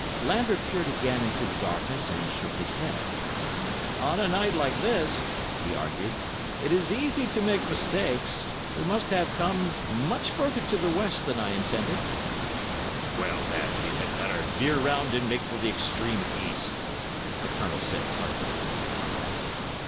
Lambert peered again into the darkness and shook his head. "On a night like this," he argued, "it is easy to make mistakes. We must have come much further to the west than I intended." "Well, then, we had better veer round and make for the extreme east," the Colonel said tartly.